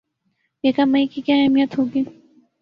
یکم مئی کی کیا اہمیت ہوگی